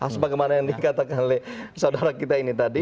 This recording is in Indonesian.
sebagaimana yang dikatakan oleh saudara kita ini tadi